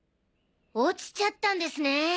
落ちちゃったんですね。